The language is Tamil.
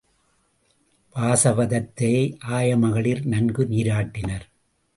வாசவதத்தையை ஆயமகளிர் நன்கு நீராட்டினர்.